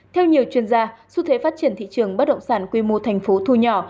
theo nhiều chuyên gia xu thế phát triển thị trường bất động sản quy mô thành phố thu nhỏ